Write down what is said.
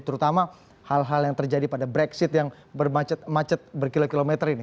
terutama hal hal yang terjadi pada brexit yang bermacet berkilo kilometer ini